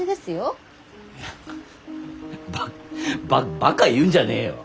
いやババカ言うんじゃねえよ！